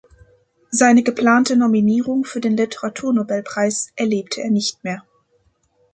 Seine geplante Nominierung für den Literaturnobelpreis erlebte er nicht mehr.